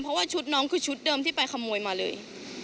เพราะว่าชุดน้องคือชุดเดิมที่ไปขโมยมาเลย